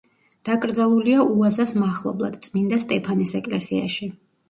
დაკრძალულია უაზას მახლობლად, წმინდა სტეფანეს ეკლესიაში.